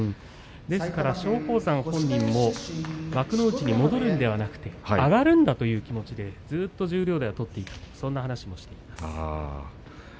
松鳳山と本人も幕内に戻るんじゃなくて、上がるんだという気持ちで、ずっと相撲を取っていたという話をしていました。